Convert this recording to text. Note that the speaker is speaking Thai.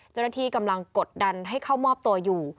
เจ้าหน้าที่กำลังกดดันให้เข้ามอบตัวอยู่